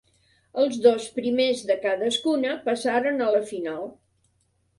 Els dos primers de cadascuna passaren a la final.